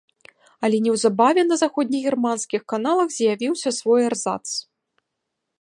Але неўзабаве на заходнегерманскіх каналах з'явіўся свой эрзац.